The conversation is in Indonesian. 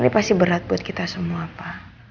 ini pasti berat buat kita semua pak